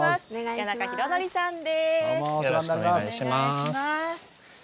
谷中啓紀さんです。